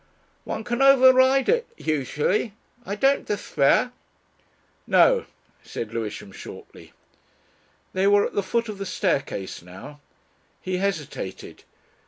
"One can override it usually. I don't despair." "No," said Lewisham shortly. They were at the foot of the staircase now. He hesitated.